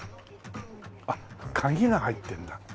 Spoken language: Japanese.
あっ鍵が入ってるんだ。